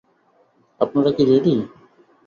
আপনারা কি রেডি?